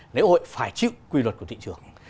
lễ hội phải chịu quy luật của thị trường